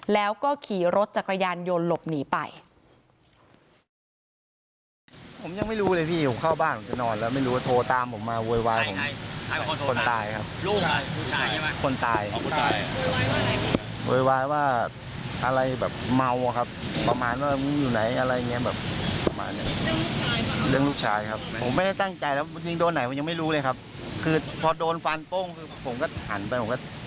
แล้วก็ขี่รถจักรยานยนต์หลบหนีไป